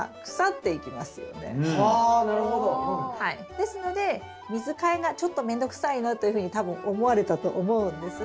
ですので水替えがちょっと面倒くさいなというふうに多分思われたと思うんですが。